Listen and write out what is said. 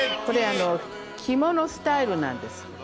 これ着物スタイルなんです。